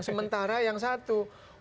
sementara yang satu